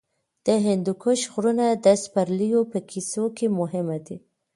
د هندوکش غرونه د سپرليو په کیسو کې مهم دي.